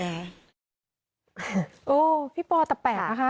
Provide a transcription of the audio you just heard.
โอ๊ยพี่ปอตะแปะนะคะ